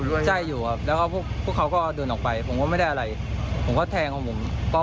ดักแล้วปลาระเบิดใสเลย